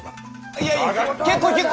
いやいや結構結構！